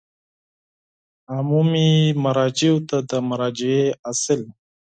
عمومي مراجعو ته د مراجعې اصل